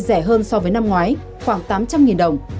rẻ hơn so với năm ngoái khoảng tám trăm linh đồng